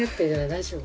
大丈夫？